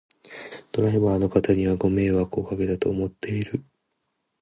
ドライバーの方にはご迷惑をかけたと思っている